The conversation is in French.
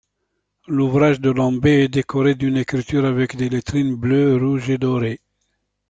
L'ouvrage de Lambeth est décoré d'une écriture avec des lettrines bleus, rouges et dorées.